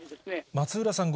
松浦さん